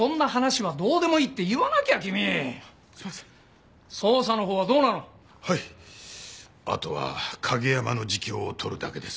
はいあとは景山の自供を取るだけです。